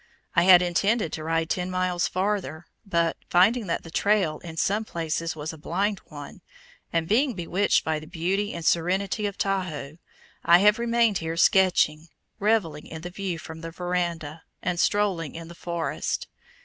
I had intended to ride ten miles farther, but, finding that the trail in some places was a "blind" one, and being bewitched by the beauty and serenity of Tahoe, I have remained here sketching, reveling in the view from the veranda, and strolling in the forest.